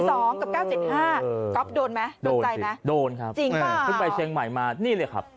ก๊อฟโดนไหมโดนใจไหมจริงหรือเปล่าโดนครับพึ่งไปเชียงใหม่มานี่เลยครับ